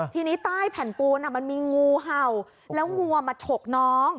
ทีนี้ใต้แผ่นปูนมันมีงูเห่าแล้วงัวมาฉกน้อง